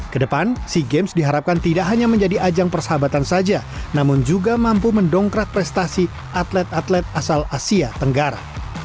kedepan sea games diharapkan tidak hanya menjadi ajang persahabatan saja namun juga mampu mendongkrak prestasi atlet atlet asal asia tenggara